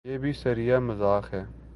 یہ بھی صریحا مذاق ہے۔